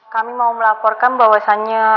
kami mau melaporkan bahwasannya